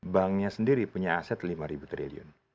banknya sendiri punya aset lima triliun